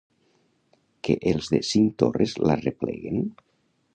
Que els de Cinctorres l'arrepleguen?